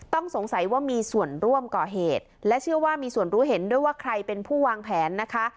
ต้องสงสัยว่ามีส่วนร่วมก่อเหตุและเชื่อว่ามีส่วนรู้เห็นด้วยว่าใครเป็นผู้วางแผนนะคะ